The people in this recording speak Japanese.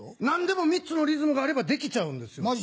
何でも３つのリズムがあればできちゃうんですよ。